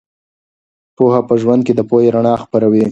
پوهه په ژوند کې د پوهې رڼا خپروي.